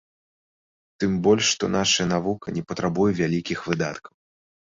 Тым больш, што нашая навука не патрабуе вялікіх выдаткаў.